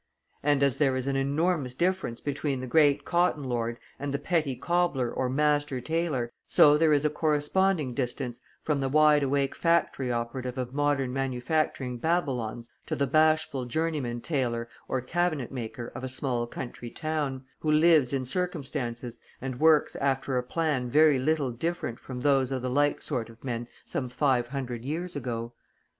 And as there is an enormous difference between the great cotton lord and the petty cobbler or master tailor, so there is a corresponding distance from the wide awake factory operative of modern manufacturing Babylons to the bashful journeyman tailor or cabinetmaker of a small country town, who lives in circumstances and works after a plan very little different from those of the like sort of men some five hundred years ago.